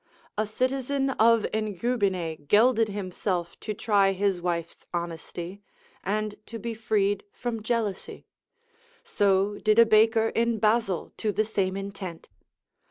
A citizen of Engubine gelded himself to try his wife's honesty, and to be freed from jealousy; so did a baker in Basil, to the same intent.